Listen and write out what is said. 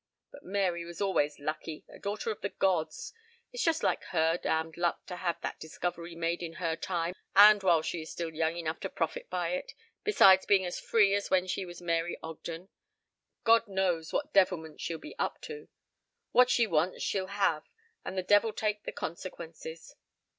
But Mary was always lucky a daughter of the gods. It's just like her damned luck to have that discovery made in her time and while she is still young enough to profit by it, besides being as free as when she was Mary Ogden. Now, God knows what devilment she'll be up to. What she wants she'll have and the devil take the consequences."